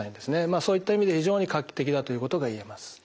そういった意味で非常に画期的だということがいえます。